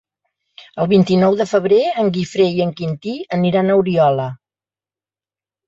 El vint-i-nou de febrer en Guifré i en Quintí aniran a Oriola.